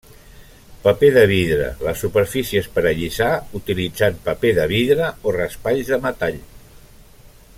Paper de vidre les superfícies per allisar utilitzant paper de vidre o raspalls de metall.